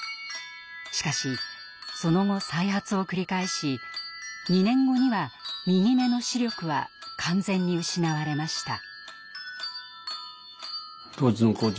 しかしその後再発を繰り返し２年後には右目の視力は完全に失われました。